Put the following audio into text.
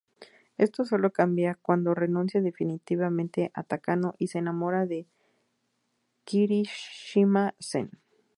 Esto sólo cambia cuando renuncia definitivamente a Takano y se enamora de Kirishima Zen.